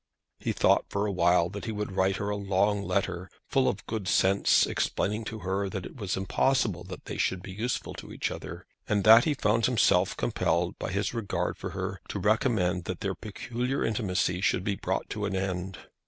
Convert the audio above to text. He thought for a while that he would write her a long letter, full of good sense; explaining to her that it was impossible that they should be useful to each other, and that he found himself compelled, by his regard for her, to recommend that their peculiar intimacy should be brought to an end.